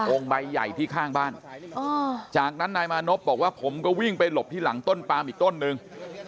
ใบใหญ่ที่ข้างบ้านจากนั้นนายมานพบอกว่าผมก็วิ่งไปหลบที่หลังต้นปามอีกต้นนึง